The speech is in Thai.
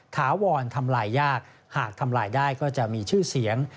ถาวรทำลายยากหากทำลายได้ก็จะมีชื่อเสียง